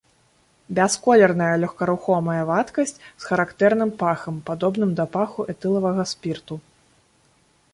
Бясколерная лёгкарухомая вадкасць з характэрным пахам, падобным да паху этылавага спірту.